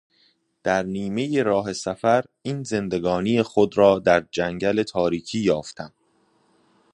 در نیمهی راه سفر این زندگانی خود را در جنگل تاریکی یافتم.